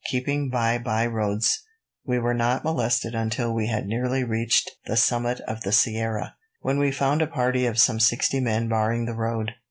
Keeping by byroads, we were not molested until we had nearly reached the summit of the sierra, when we found a party of some sixty men barring the road.